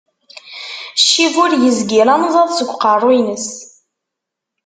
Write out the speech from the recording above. Ccib ur yezgil anẓad seg uqqeru-ines.